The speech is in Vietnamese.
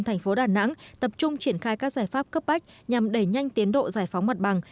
thành phố đà nẵng tập trung triển khai các giải pháp cấp bách nhằm đẩy nhanh tiến độ giải phóng mặt bằng